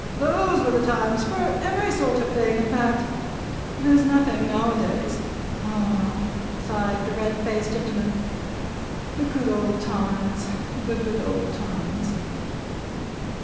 Those were the times for every sort of thing, in fact. There's nothing now a days. Ah!" sighed the red faced gentleman. "The good old times, the good old times!"